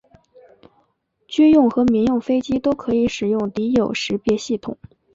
军用和民用飞机都可以使用敌友识别系统。